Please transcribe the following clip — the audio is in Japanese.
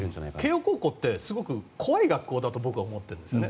慶応高校ってすごく怖い学校だと僕は思ってるんですね。